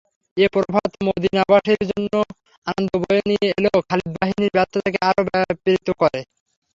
এ প্রভাত মদীনাবাসীর জন্য আনন্দ বয়ে নিয়ে এলেও খালিদ বাহিনীর ব্যর্থতাকে আরো ব্যাপৃত করে।